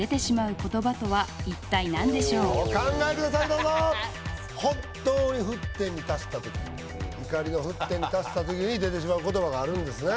どうぞ本当に沸点に達した時怒りの沸点に達した時に出てしまう言葉があるんですね